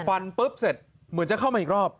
ปุ๊บเสร็จเหมือนจะเข้ามาอีกรอบ